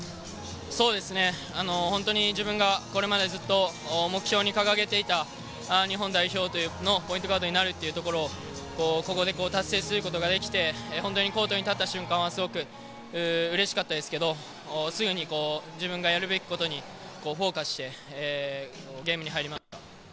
そうですね、自分がこれまでずっと目標に掲げていた日本代表というポイントガードになるというところをここで達成することができて本当にコートに立った瞬間はすごく嬉しかったですけど、すぐに自分がやるべきことにフォーカスして、ゲームに入りました。